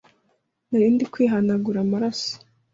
narindi kwihanagura amaraso